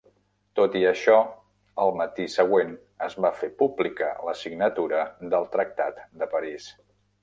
Tot i això, al matí següent es va fer pública la signatura del tractat de París.